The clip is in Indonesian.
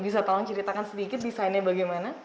bisa tolong ceritakan sedikit desainnya bagaimana